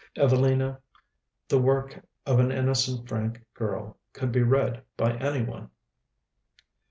'Evelina,' the work of an innocent, frank girl, could be read by any one.